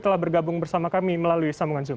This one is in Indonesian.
telah bergabung bersama kami melalui sambungan zoom